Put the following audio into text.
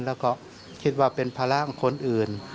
แล้วก็คิดว่าเป็นภาระของคนอื่น